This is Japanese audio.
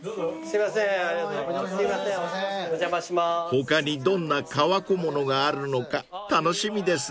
［他にどんな革小物があるのか楽しみですね］